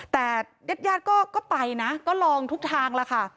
แต่ญาติญาติก็ไปนะก็ลองทุกทางแล้วค่ะ